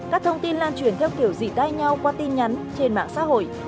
các thông tin lan truyền theo kiểu dỉ tai nhau qua tin nhắn trên mạng xã hội